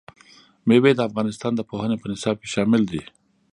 مېوې د افغانستان د پوهنې په نصاب کې شامل دي.